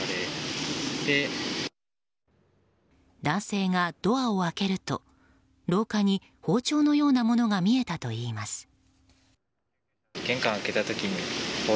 男性がドアを開けると廊下に包丁のようなものが見えたといいます。